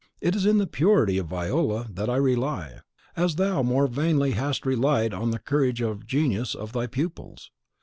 It is in the purity of Viola that I rely, as thou more vainly hast relied on the courage or the genius of thy pupils.